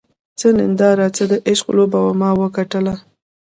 څه ننداره څه د عشق لوبه وه ما وګټله